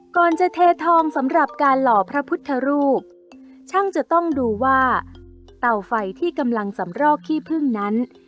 ก่อนจะเททองสำหรับการหล่อพระพุทธรูปช่างจะต้องดูว่าเตาไฟที่กำลังสำรอกขี้พึ่งนั้น